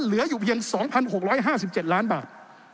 เหลืออยู่เพียง๒๖๕๗ล้านบาท